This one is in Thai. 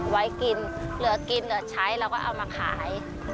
เวลากินมันเป็นเข้าหากินเวลาถัดใช้แล้วก็มีเข้ามาขาย